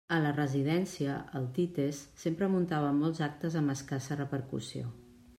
A la residència, el Tites sempre muntava molts actes amb escassa repercussió.